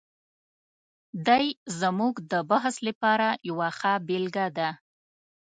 دی زموږ د بحث لپاره یوه ښه بېلګه ده.